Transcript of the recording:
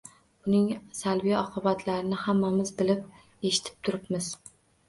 Buning salbiy oqibatlarini hammamiz bilib, eshitib turibmiz.